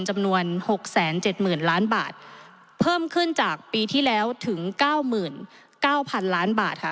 จำนวน๖๗๐๐๐ล้านบาทเพิ่มขึ้นจากปีที่แล้วถึง๙๙๐๐ล้านบาทค่ะ